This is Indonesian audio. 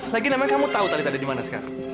lagi namanya kamu tahu tadi ada di mana sekarang